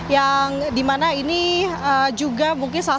yang dimana ini juga mungkin salah satu